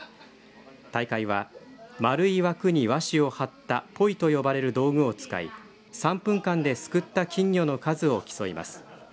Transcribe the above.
大会は丸い枠に和紙を貼ったポイと呼ばれる道具を使い３分間ですくった金魚の数を競います。